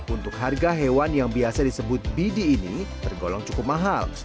untuk harga hewan yang biasa disebut bidi ini tergolong cukup mahal